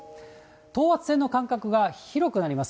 等圧線の間隔が広くなります。